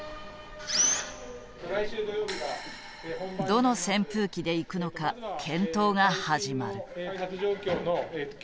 どの扇風機でいくのか検討が始まる。